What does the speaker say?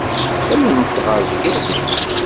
Qqlent ɣer Bgayet.